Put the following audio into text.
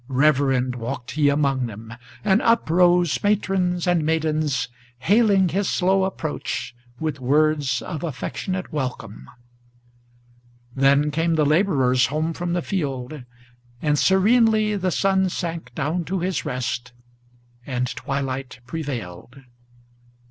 Reverend walked he among them; and up rose matrons and maidens, Hailing his slow approach with words of affectionate welcome. Then came the laborers home from the field, and serenely the sun sank Down to his rest, and twilight prevailed.